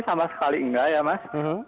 sama sekali enggak ya mas